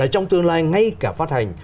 trong tương lai ngay cả phát hành